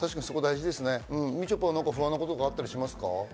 みちょぱは不安なこととかあったりしますか？